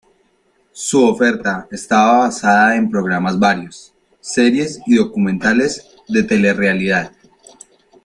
Su oferta estaba basada en programas varios, series y documentales de telerrealidad.